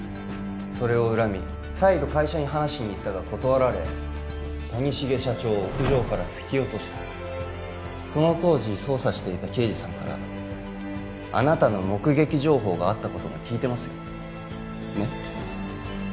それを恨み再度会社に話しに行ったが断られ谷繁社長を屋上から突き落としたその当時捜査していた刑事さんからあなたの目撃情報があったことも聞いてますよねッ